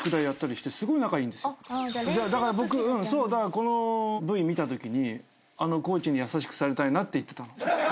だからこのＶ見たときにあのコーチに優しくされたいって言ってたの。